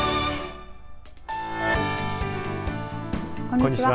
こんにちは。